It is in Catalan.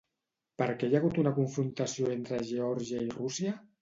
Per què hi ha hagut una confrontació entre Geòrgia i Rússia?